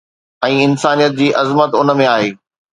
۽ انسانيت جي عظمت ان ۾ آهي